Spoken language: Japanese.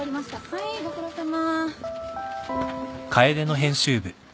はいご苦労さま。